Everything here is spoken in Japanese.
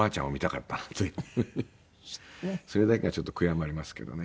それだけがちょっと悔やまれますけどね。